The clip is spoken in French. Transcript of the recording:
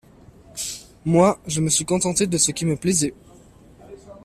Moi, je me suis contenté de ce qui me plaisait.